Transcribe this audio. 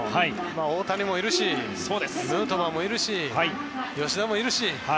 大谷もいるしヌートバーもいるし吉田もいるし。